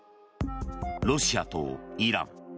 ロシアとイラン。